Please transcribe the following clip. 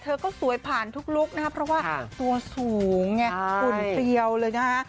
เธอก็สวยผ่านทุกลุคนะครับเพราะว่าตัวสูงไงหุ่นเปรียวเลยนะฮะ